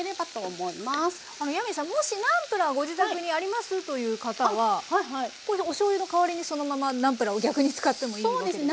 もしナンプラーご自宅にありますという方はおしょうゆの代わりにそのままナンプラーを逆に使ってもいいわけですか？